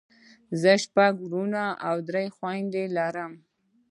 زه شپږ وروڼه او درې خويندې لرم.